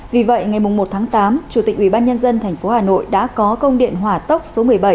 vì vậy ngày một tháng tám chủ tịch ubnd tp hcm đã có công điện hòa tốc số một mươi bảy